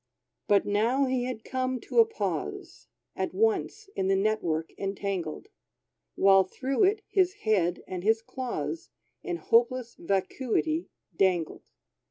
But now he had come to a pause, At once in the net work entangled, While through it his head and his claws In hopeless vacuity dangled.